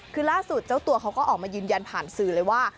คือล่าสุดเจ้าตัวเขาก็ออกมายืนยันผ่านสื่อเลยว่า